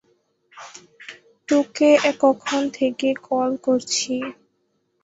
তাকে কখন থেকে কল করছি!